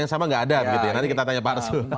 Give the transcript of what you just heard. yang sama gak ada nanti kita tanya pak arsu